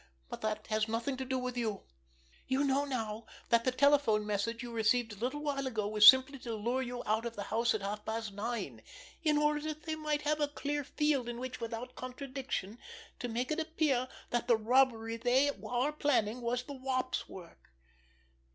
But that has nothing to do with you. You know now that the telephone message you received a little while ago was simply to lure you out of the house at half past nine in order that they might have a clear field in which, without contradiction, to make it appear that the robbery they are planning was the Wop's work.